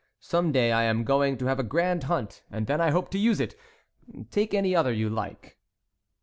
Some day I am going to have a grand hunt and then I hope to use it. Take any other you like."